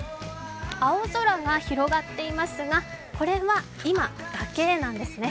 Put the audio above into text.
青空が広がっていますがこれは今だけなんですね。